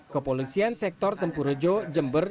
kepolisian sektor tempur rejo jember